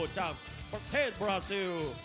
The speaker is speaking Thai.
จากประเทศบราซิล